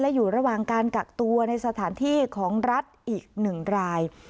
อยู่ระหว่างการกักตัวในสถานที่ของรัฐอีก๑ราย